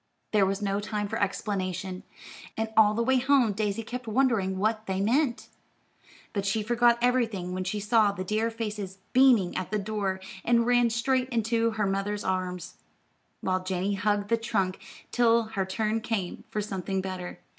There was no time for explanation, and all the way home Daisy kept wondering what they meant. But she forgot everything when she saw the dear faces beaming at the door, and ran straight into her mother's arms, while Janey hugged the trunk till her turn came for something better.